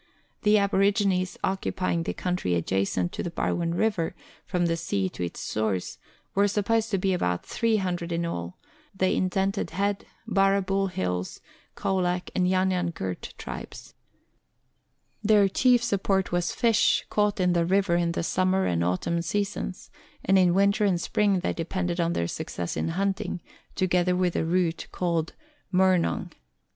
The aborigines occupying the country adjacent to the Barwon River, from the sea to its source, were supposed to be about 300 in all the Indented Head, Barrabool Hills, Colac, and Yan Yan Gurt tribes. Letters from Victorian Pioneers. 141' Their chief support was fish, caught in the river in the summer and autumn seasons, and in winter and spring they depended on their success in hunting, together with the root called "murnong."